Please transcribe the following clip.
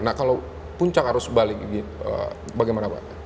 nah kalau puncak arus balik ini bagaimana pak